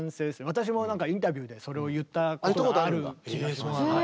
私もなんかインタビューでそれを言ったことがある気がします。